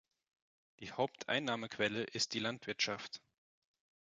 Die Haupteinnahmequelle ist die Landwirtschaft.